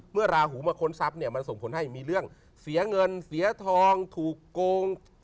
ราหูมาค้นทรัพย์เนี่ยมันส่งผลให้มีเรื่องเสียเงินเสียทองถูกโกง